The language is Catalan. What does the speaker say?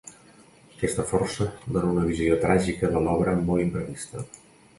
Aquesta força dóna una visió tràgica de l'obra molt imprevista.